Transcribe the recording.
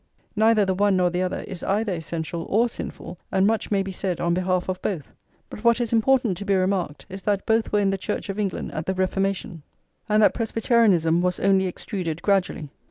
Neither the one nor the other is either essential or sinful, and much may be said on behalf of both. But what is important to be remarked is that both were in the Church of England at the Reformation, and that Presbyterianism was only extruded gradually.